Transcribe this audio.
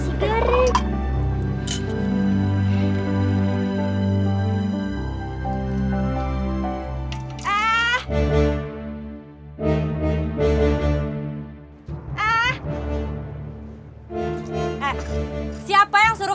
ibu masih punya lulu